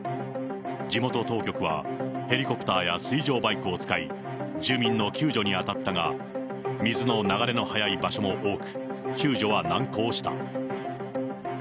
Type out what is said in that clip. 地元当局は、ヘリコプターや水上バイクを使い、住民の救助に当たったが、水の流れの速い場所も多く、救助は難航した。